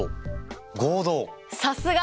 さすが！